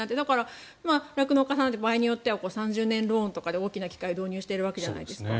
酪農家さんなんて場合によっては３０年ローンとかで大きな機械を導入してるわけじゃないですか。